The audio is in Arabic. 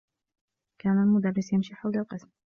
كان المدرّس يمشي حول القسم.